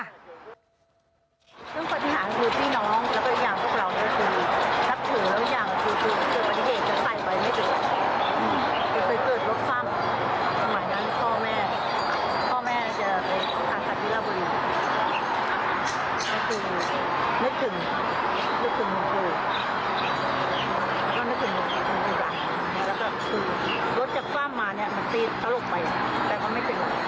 สีตลกไปแต่ก็ไม่เป็นอะไร